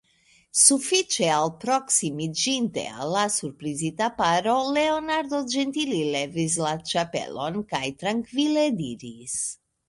Sufiĉe alproksimiĝinte al la surprizita paro, Leonardo ĝentile levis la ĉapelon kaj trankvile diris: